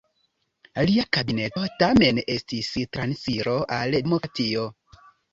Lia kabineto tamen estis transiro al demokratio.